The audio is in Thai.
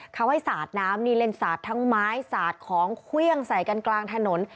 เขาให้สาดน้ำนี่เล่นสาดทั้งไม้สาดของเครื่องใส่กันกลางถนน